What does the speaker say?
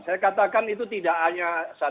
saya katakan itu tidak hanya